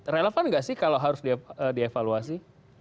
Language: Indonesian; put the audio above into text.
relevan nggak sih kalau harus dievaluasi